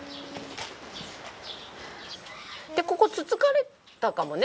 ここつつかれたかもね本当。